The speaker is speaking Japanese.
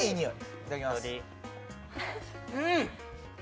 いただきますうん！